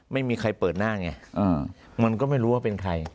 ไม่มีใครเปิดหน้าไงมันก็ไม่รู้ว่าเป็นใคร